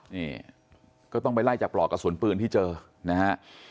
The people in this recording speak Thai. นี่ก็ต้องไปไล่จากปลอกกระสุนปืนที่เจอนะฮะ